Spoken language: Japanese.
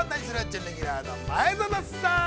準レギュラーの前園さん。